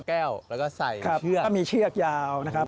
แก้วแล้วก็ใส่เชือกก็มีเชือกยาวนะครับ